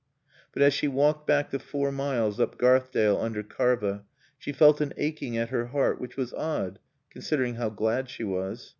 But as she walked back the four miles up Garthdale under Karva, she felt an aching at her heart which was odd considering how glad she was.